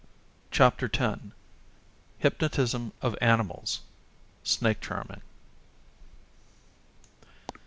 CHAPTER X. Hypnotism of Animals.—Snake Charming.